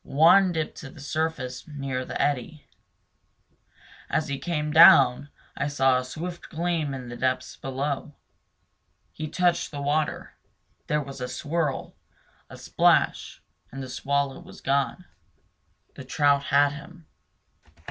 One dipped to the surface near the eddy. As he came down I saw a swift gleam in the depths below. He touched the water; there was a swirl, a splash and the swallow was gone. The trout had him.